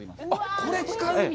これ使うんだ。